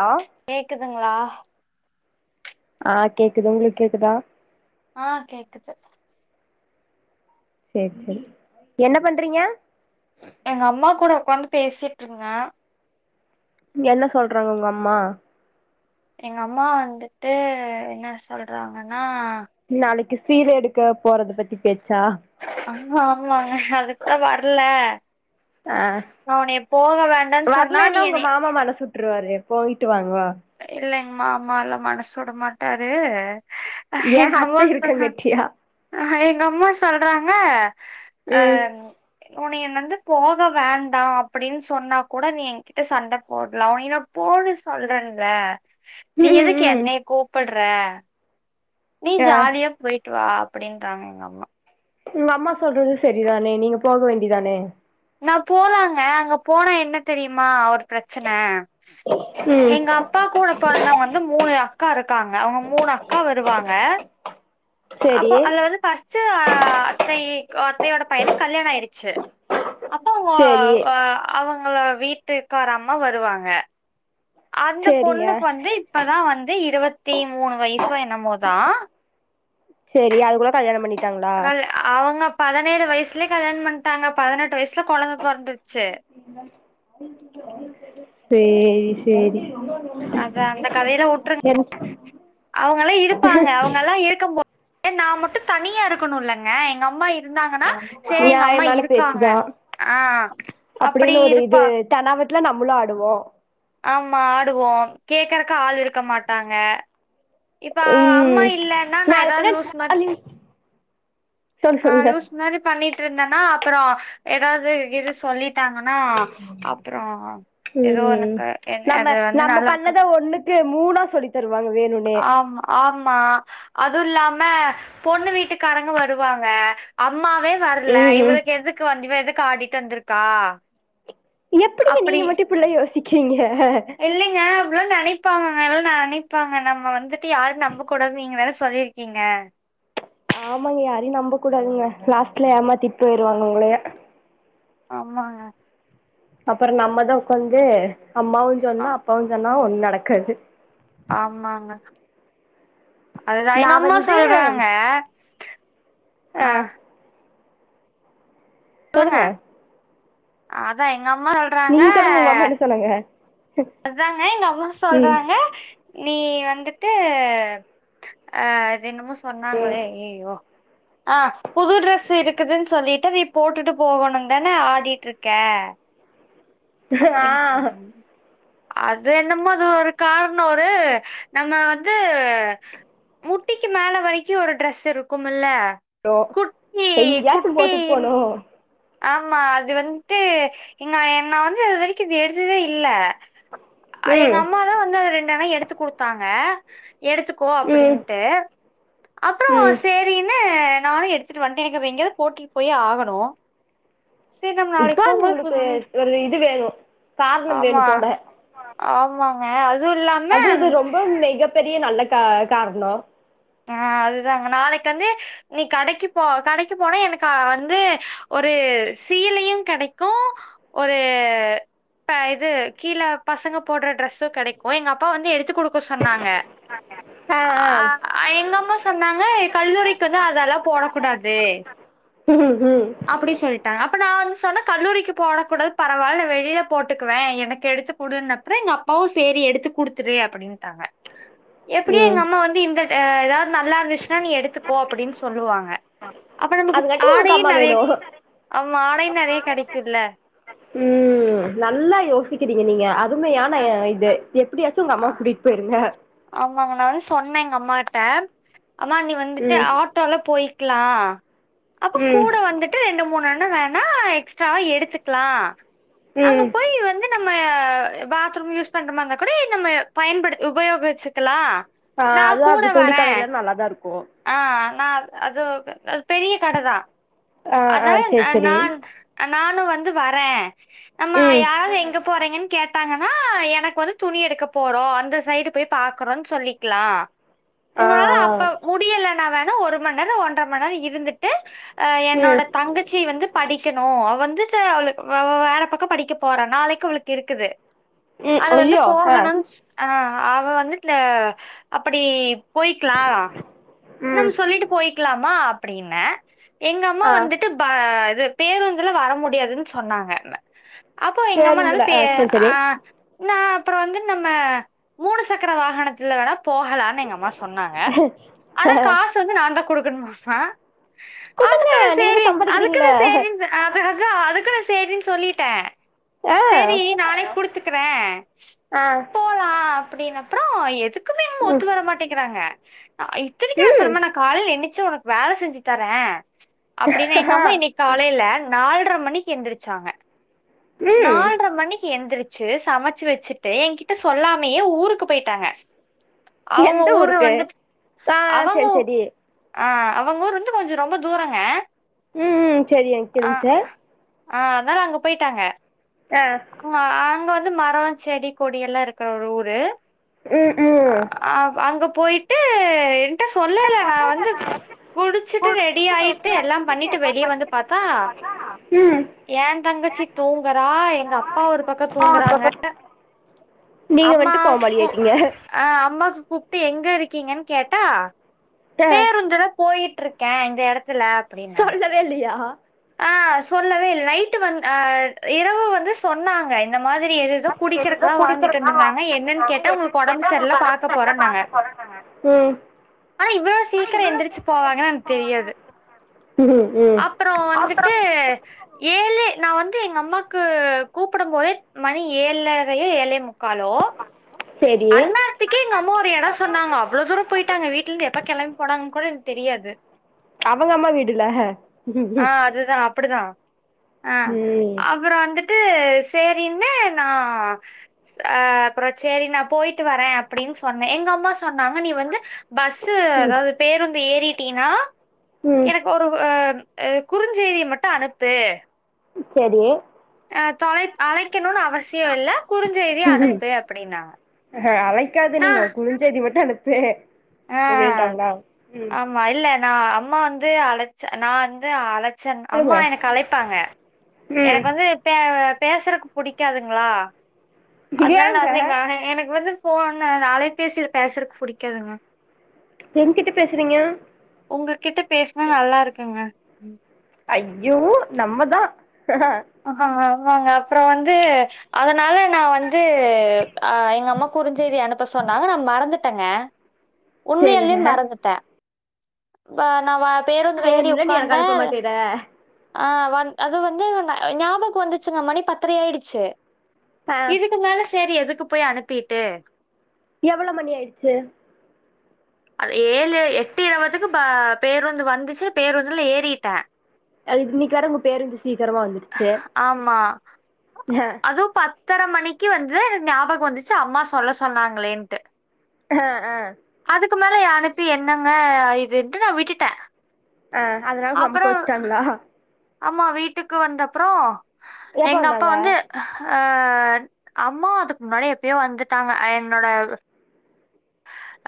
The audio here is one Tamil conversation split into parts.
ஆ கேக்குதுங்களா ஆ கேக்குது உங்களுக்கு கேக்குதா ஆ கேக்குது செரி செரி என்ன பண்றீங்க எங்க அம்மா கூட உக்காந்து பேசிட்டு இருந்த என்ன சொல்றாங்க உங்க அம்மா எங்க அம்மா வந்துட்டு என்ன சொல்றாங்கன்னா நாளைக்கு சீல எடுக்க போறத பத்தி பேச்சா ஆமா ஆமாங்க அதுக்குதா வர்ல அ வேண்டான்னு சொன்னா நீ வர்லன்னா உங்க என்னை மாமா மனசுட்ருவாரு போயிட்டு வாங்களா இல்லைங்க மாமாலா மனசு உட மாட்டாரு ஏ எங்க அம்மா அத்த இருக்கங்கட்டியா சொன்னா எங்க அம்மா சொல்றாங்க அ ம் உனைய வந்து போக வேண்டா அப்டின்னு சொன்னா கூட நீ எகிட்ட சண்ட போட்லா உய்ன போன்னு சொல்றே ல நீ ம் எதுக்கு ம் என்னைய கூப்புட்ற நீ ஆ ஜாலியா போயி டுவா அப்டின்றாங்க எங்க அம்மா உங்க அம்மா சொல்றது சரிதானே நீங்க போக வேண்டியதானே நா போலாங்க அங்க போனா என்ன தெரியுமா ஒரு பிரச்சன ம் எங்க அப் பா கூட பொறந்தவங்க வந்து மூணு அக்கா இருக்காங்க அவங்க மூணு அக்கா வருவாங்க சேரி அப்போ அதுல வந்து ஃபஸ்ட்டு அ அத்தை அத்தையோட பையனுக்கு கல்யாண ஆயிடுச்சு அப்போ வ சேரி வ அவங்கள வீட்டுக்காரம்மா வருவாங்க [inaudible] அந்த சேரிங்க பொண்ணுக்கு வந்து இப்பதா வந்து இருவத்தி மூணு வயசோ என்னமோதா பெரிய ஆளுக்கூட கல்யாண பண்ணிட்டாங்களா கல் அவங்க பதினேழு வயசுலயே கல்யாண பண்ட்டாங்க பதினெட்டு வயசுல கொழந்த பொறந்துருச்சு சேரி சேரி அத அந்த கதையிலா உட்டுருங்க என் அவுங்கல்லாம் இருப்பாங்க அவுங்கல்லாம் இருக்கும் போ ஏ நான் மட்டும் தனியா இருக்கணுலங்க எங்க அம்மா இ இருந்தாங்கன்னா சரி எங்க அம்மா நியாயமான இருக்காங்க பேச்சுதா ஆ அப்டி இருப்பா தெனாவட்டுல நம்மளும் ஆடுவோம் ஆமா ஆடுவோம் கேக்குறதுக்கு ஆள் இருக்க மாட்டாங்க இப்ப அம்மா ம் இல்லன்னா நா நாள பின்ன ஏதாவது லூஸ் மார் அய்யோ சொல்லு ஆ சொல்லுங்க லூஸ் மாரி பண்ணிட்டு இருந்தனா அப்பறோ ஏதாவது இது சொல்லிட் டாங்கன்னா அப்பறோ எதோ ம் எனக்கு எ அது வந்து நல்லா இருக்காது இது மூணா சொல்லி தருவாங்கவே ஆமா ஆமா அது இல்லாம பொண்ணு வீட்டுக்காரங்க வருவாங்க அம்மாவே வரல ம் ம் இவளுக்கு எதுக்கு வந் எதுக்கு ஆடிட்டு வந்திருக்கா எப்டிங்க அப்படி நீங்க மட்டும் இப்டியல்லாம் யோசிக்கிறீங்க அப்டிலாம் நினைப்பாங்க நினைப்பாங்க நம்ம வந்துட்டு யாரும் நம்பக்கூடாது நீங்க வேற சொல்லியிருக்கீங்க ஆமாங்க யாரையும் நம்ப கூடாதுங்க லாஸ்ட்ல ஏமாத்திட்டு போயிருவாங்க உங்களையே ஆமாங்க அப்பறம் நம்மதான் உட்காந்து அம்மாவும் சொன்னா ஆம் அப்பாவும் சொன்னா ஒண்ணு நடக்காது ஆமாங்க அதுதான் நா எங்க அம்மா வந்து சொல்றாங்க ஆ சொல்லுங்க அதான் எங்க அம்மா சொல்றாங்க. நீங்களும் உங்க அம்மா என்ன சொன்னாங்க அதாங்க எங்க அம்மா ம் சொல்றாங்க நீ வந்துட்டு அ என்னமோ ம் சொன்னாங்களே அய்யயோ [inaudible] ஆ புது ட்ரெஸ்ஸு இருக்குதுன்னு சொல்லிட்டு நீ போட்டுட்டு போகணும்னு தானே ஆடிட்டு இருக்கே [inaudible] ஆ அப்டின்னு சொன்னா அது என்னமோ அது ஒரு கார்ணொரு நம்ம வந்து முட்டிக்கு மேல வரைக்கும் ஒரு ட்ரெஸ் இருக்கும்ல ஓ குட்டி எங்கயாச்சு போட்டுட்டு குட்டின் போனு ஆமா அது வந்துட்டு இங்க என்ன வந்து அது வரைக்கும் எடுத்ததே இல்ல எங்க ம் அம்மாதான் வந்து ரெண்டனம் எடுத்து கொடுத்தாங்க எடுத்துக் கோ ம் அப்டின்ட்டு அப்பறோ ம் சேரி அப்டின்னு நானும் எடுத்துட்டு வந்தேன் எனக்கு எங்கயோ போட்டுன் போய் ஆகணும் சேர் நம்ம நாளைக்கு இதுக்கான் போகும்போது உங்களுக்கு புதுமி ஒரு இது வேணு காரணம் வேணு ஆமா போட ஆமாங்க அதுயில்லாம பெரிய நல்ல க கார்ணோ ஆ அதுதாங்க நாளைக்கு வந்து நீ கடைக்கு போ கடைக்கு போனா எனக்கு வந்து ஒரு சீலயு கெடைக்கு ஒரு இப்ப இது கீழ பசங்க போட்ற டிரெஸ்ஸு கெடைக்கு எங்க அப்பா வந்து எடுத்து குடுக் எப்போ சொன்னாங்க ஆ அ எங்கம்மா சொன்னாங்க கல்லூரிக்கு வந்து அதலா போட கூடாது ம் ம் அப்டி சொல்ட்டாங்க அப்ப நா வந்து சொன்னே கல்லூரிக்கு போட கூடாது பரவால்ல நா வெளில போட்டுக்குவே எனக்கு எடுத்து குடுன்னு ப்றோ எங்க அப்பாவு சேரி எடுத்து குடுத்துரு அப்பிடின்ட்டாங்க எப்பிடியு ம் எங்க அம்மா வந்து இந்த அ எதாவ் நல்லா இருந்துச்சுனா நீ எடுத்துக்கோ அப்டின் சொல்லுவாங்க அப்ப நமக்குத் அதுக்காட்டி உங்களுக்கு ஆடயே அம்மா வேணு நெறயக் அவ்வாடையுன் நெறையக் கெடைக்கில்ல ம் நல்லா யோசிக்கிறீங்க நீங்க அருமையான அ எ இது எப்டியாச்சு உங்க அ அம்மாவ கூட்டிட் போயிருங்க ஆமாங்க நா வந் சொன்னே எங்க அம்மாட்ட அம்மா நீ வந்துட்டு ம் ஆட் ட்டோல போயிக்லா அப்ப ம் கூட வந்துட் டு ரெண்டு மூனுன்னா வேணா எக்ஸ்ட்ராவா எடுத்துக்லா ம் அங்கப் போய் வந்து நம்ம பாத்ரூம் யூஸ் பண்றமா இருந்தா கூட நம்ம பயன்படுத் உபயோச்சிக்லா ஆ அதா அது துணி கடைலா நல்லாதா இருக்கு ஆ நா அது அது பெரிய கடதா ஆ ஆ அதனால சேரி சேரி நான் நானு வந்து வரே நம்ம ம் யாராவது எங்கப் போறிங்கின் கேட்டாங்கனா எனக்கு வந்து துணி எடுக்கப் போறோ அந்த சைடு போய் பாக்கறோன் சொல்லிக்லா ஆ ஆ இப்ப முடியலனா வேணா ஒரு மண் நேரோ ஒன்ற மண் நேரோ இருந்துட்டு அ என்னோட ம் தங்கச்சி வந்துப் படிக்கணு அவ வந்துட்டு அவளு வ வேற பக்கோ படிக்க போற நாளைக்கு அவளுக்கு இருக்குது ம் அது வந்து ஐயோ ஆ போகணுச் ஆ அவ வந்துட் அ அப்பிடி போய்க்லா நம் ம் சொல்லிட்டு போய்க்லாமா அப்டின்னே எங்க அம்மா ஆ வந்துட்டு ப இது பேருந்துல வர முடியாதுன்‌ சொன்னாங்க ம அப்போ எங்க அம்மானால பேருந்துல பே ஆ சேரி சேரி ஆ நா அப்றோ வந்து நம்ம மூனு சக்கர வாகனத்துல வேணா போகலானு எங்க அம்மா சொன்னாங்க ஆனா காசு வந்து நாந்தா குடுக்கன்மாமா குடுங்க அதுக்குனு சேரி நீங்கதா சம்பாதிக்கிறீங்கல்ல அதுக்குனு சேரின் அதா அதா அதுக்குனு சேரின் சொல்லிட்டே ஆ சேரி நானே குடுத்துட் க்றே அ போலா அப்டினப்றோ எதுக்குமே எங்கம்மா ஒத்து ம் வர மாட்டேங்கிறாங்க இத்தினிக்கு நா ம் சொன்னமா நாக் காலைல என்னிச்சு வுனக் வேல செஞ்சித் தரே அப்டினா எங்கம்மா இன்னிக் காலைல நால்ற மணிக்கு எந்திரிச்சாங்க ம் நால்ற மணிக்கு எந்திரிச் சு சமச்சு வச்சுட்டு எங்கிட்ட சொல்லாமயே ஊருக்கு போய்ட்டாங்க அவங்க எந்த ஊரு ஊருக்கு வந்துட் ஆ அவங்க வு சேரி சேரி ஆ அவங்க ஊர் வந்து கொஞ்சோ ரொம்ப தூரங்க ம் ம் செரியாங் கிரஞ்சர் ஆ அதால அங்கப் போய்ட்டாங்க அ அ அங்க வந்து மரோ செடி கொடி எல்லா இருக்குற ஒரு ஊரு ம் ம் அப் அங்க போய்ட்டு என்ட்ட சொல்லல நா வந்து குடுச்சுட்டு ரெடி ஆயிட்டு எல்லாம் பண்ணிட்டு வெளிய வந்து பாத்தா ம் ஏந் தங்கச்சி தூங்கறா எங்க அப்பா ஒரு பக்கோ தூங்கறாங்க நீங்க அம்மா வந்துட்டு கோமாளி கு ஆயிட்டீங்க அ அம்மாக்கு கூப்ட்டு எங்க இருக்கீங்கன் கேட்டா ட வதா போயிட்ருக்கே இந்த எடத்துல அப்டின்னாங்க [unintelligible] லியா ஆ சொல்லவே இல் நைட்டு வந் ஆ இரவு வந்து சொன்னாங்க இந்த மாதிரி எது ஏதோ குடிக்கிறக்கு தா வாங்கிட்டு வந்துருந்தாங்க என்னன் கேட்டா உங்களுக்கு ஒடம்பு சரில்ல பாக்க போறேன்னாங்க ம் ஆனா இவ்ளோ சீக்கிர எந்திரிச்சு போவாங்கன்னு எனக்கு தெரியாது அப் பறம் ஏலே நா வந்து எங்க அம்மாக்கு கூப்பிடும் போதே மணி ஏழரையோ ஏழே முக்காலோ செரி அந்நேரத்துக்கே எங்கம்மா ஒரு எட சொன்னாங்க அவ்ளோ தூர போயிட்டாங்க வீட்ல இருந்து எப்ப கெளம்பி போனாங்க கூட எனக்கு தெரியாது அவங்க அம்மா வீடுல ஆ அதுதான் அப்படிதான். ஆ ம் அப் ப்ற வந்துட்டு சேரினு நா ஆ அப்றோ சேரி நா போய்ட்டு வரே அப்டின்னு சொன்னே எங்கம்மா சொன்னாங்க நீ வந்து பஸூ அதாவது பேருந்து ஏறிட்டீன்னா ம் எனக்கு ஒரு ஆ அ குறுஞ்செய்திய மட்டு அனுப்பு செரி ஆ தொலை அழைக்கணுனு அவசியோ இல்ல குறுஞ்செய்தியா ம் அனுப்பு" அப்படின்னாங்க. அழைக்காத நீங்க நான் குரு ஞ் சேதி மட்டு அனுப்பு ஆ. அப்டிட்டாங்களா ம் ஆமா இல்ல நா அம்மா வந்து அழைச்ச நா வந்து அழ ச அம்மா சொல்லுங்க வந்து எனக்கு அழைப்பாங்க ம் எனக்கு வந்து பே பேசுறக்கு புடிக்காதுங்களா அதனால நா ஏங்க வந்து எங்க எனக்கு வந்து போண்ண அலைபேசில பேசுறக்கு புடிக்காதுங்க என்கிட்ட பேசுறீங்க உங்ககிட்ட பேசுனா நல்லா இருக்குங்க ம். ஐய்யோ நம்மதா அஹா ஆமாங்க அப்பற வந்து அதனால நா வந்துஆ எங்கம்மா குறிஞ்செய்தி அனுப்ப சொன்னாங்க நா மறந்துட்டேங்க செரிங்க உண்மையிலயும் மறந்துட்டே அ நா வா பேருந்துல ஏறி வேணும்னே நீ உக்காந்த எனக்கு அனுப்ப மாட்டேற ஆ வந் அது வந்து ஞாபக வந்துச்சுங்க மணி பத்தரை ஆகிடுச்சு ஆ இதுக்கு மேல சரி எதுக்கு போய் அனுப்பிட்டு எவ்வளோ மணி ஆயிடுச்சு அது ஏழு எட்டு இருவதுக்கு பேருந்து வந்துச்சு பேருந்துல ஏறிட்டே அது இன்னைக்குவர உங்க பேருந்து சீக்கிரமா வந்துருச்சு ஆமா ஆ அதுவு பத்தரை மணிக்கு வந்து எனக்கு ஞாபக வந்துச்சு அம்மா சொல்ல சொன்னாங்களேன்ட்டு ஆ ஆ அதுக்கு மேல அனுப்பி என்னங்க இதுண்ட்டு நா விட்டுட்டே ஆ அதனால பம்ப்பு வச்சுட்டாங்களா ஆமா வீட்டுக்கு வந்தப்பறோ எப்ப எங்க அப்பா வந்தாங்க வந்து அ அம்மா அதுக்கு முன்னாடி எப்பயோ வந்துட்டாங்க அ என்னோட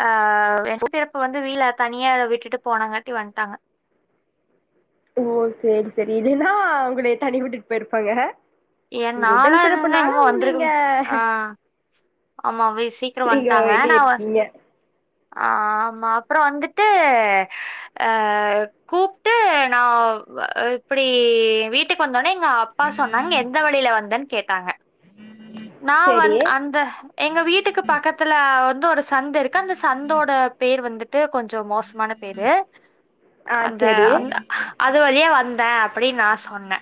ஆ [unintelligible] வந்து வீட்ல தனியா விட்டுட்டு போனாங்கட்டி வந்துட்டாங்க ஓ சரி சரி இல்லைன்னா உங்கள தண்ணியா விட்டுட்டு போயிருப்பாங்க என் உங்க நாளா உடன் இருந்தா பிறப்புனால எங்க அம்மா உங் வந்திருக்கு நீங்க ஆஹ் ஆமா வி சீக்கிரோ வந்ட்டாங்க. நா வ நீங்க [unintelligible] ஆமா அப்பறோ வந்துட்டு அ கூப்ட்டு நா இப்படி வீட்டுக்கு வந்தோன்னே எங்க அப் பா சொன்னாங்க எந்த வழியில வந்தன்னு கேட்டாங்க நா சேரி வந் அந்த எங்க வீட்டுக்கு பக்கத்துல வந்து ஒரு சந்து இருக் கு அந்த சந்தோட பேர் வந்துட்டு கொஞ்சோ மோசமான பேரு ஆ அந்த சேரி அந்த அது வழியா வந்த அப்படின்னு நா சொன்ன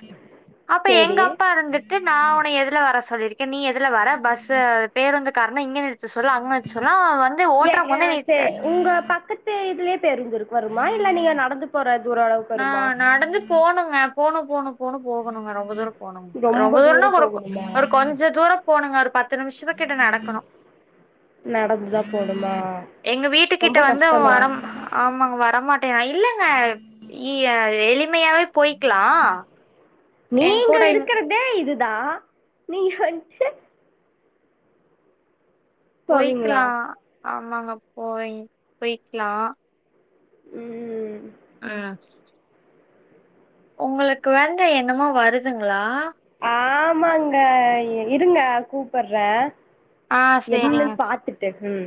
அப்ப எங்க சேரி அப்பா இருந்துட் டு நா உன்னைய எதுல வர சொல்லியிருக்க நீ எதுல வர பஸ்சு பேருந்து காரணு இங்க நிறு செர் சொல்லு அங்னாச்சு சொல்லு அ வந்து ஓட்டுறவங்க வந்து [inaudible] உங்கள பக்கத் [unintelligible] இதுலே பேருந்து வருமா இல்ல நீங்க நடந்து போற [inaudible] நா நடந்து போணுங்க போணு போணு போணு போகணுங்க ரொம்ப தூரோ போனுங்க ரொம்ப தூரோன்னா தூரம் ஒரு கோ போகணுமா ஒரு கொஞ்ச தூர போணுங்க ஒரு பத்து நிமிஷத்துகிட்ட நடக்கணு நடந்துதா போணுமா எங்க வீட்டு கிட்ட ரொம்ப வந்து அவ கஷ்டந்தா வர ஆமாங் வரமாட்டங்கறா இல்லங்க இ ய எளிமையாவே போய்க்களா நீங்க இருக்கறதே இதுதா நீ [unintelligible] போவீங்களா போய்க்கலா ஆமாங்க போய் போய்க்லா ம் அ உங்களுக்கு வந்து என்னமோ வருதுங்களா ஆமாங்க இருங்க கூப்பற்ற ஆ சேரிங்க. [unintelligible] பாத்துட்டு ம்